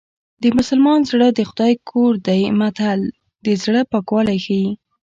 د مسلمان زړه د خدای کور دی متل د زړه پاکوالی ښيي